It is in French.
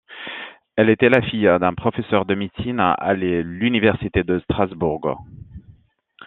Elle était la fille d'un professeur de médecine à l'Université de Strasbourg.